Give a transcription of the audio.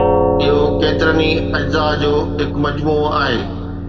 اهو ڪيترن ئي اجزاء جو هڪ مجموعو آهي.